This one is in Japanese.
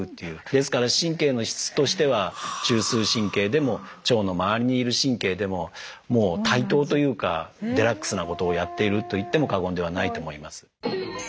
ですから神経の質としては中枢神経でも腸のまわりにいる神経でももう対等というかデラックスなことをやっていると言っても過言ではないと思います。